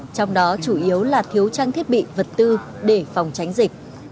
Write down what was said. trong đó chủ yếu là thiếu trang thiết bị vật tư để phòng tránh dịch